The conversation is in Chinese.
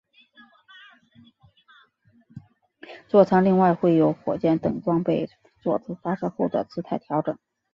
坐舱另外会有火箭等装备作出发射后的姿态调整。